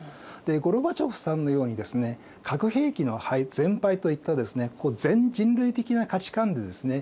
ゴルバチョフさんのようにですね核兵器の全廃といったですね全人類的な価値観でですね